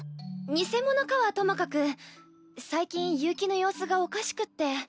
偽者かはともかく最近悠希の様子がおかしくって。